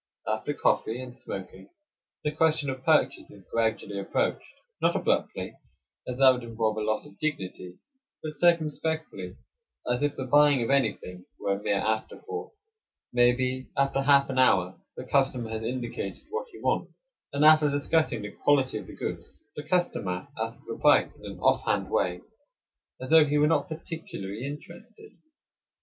After coffee and smoking the question of purchase is gradually approached; not abruptly, as that would involve a loss of dignity; but circumspectly, as if the buying of anything were a mere afterthought. Maybe, after half an hour, the customer has indicated what he wants, and after discussing the quality of the goods, the customer asks the price in an off hand way, as though he were not particularly interested.